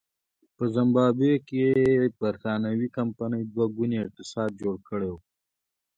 په زیمبابوې کې برېټانوۍ کمپنۍ دوه ګونی اقتصاد جوړ کړی و.